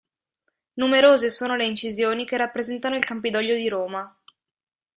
Numerose sono le incisioni che rappresentano il Campidoglio di Roma.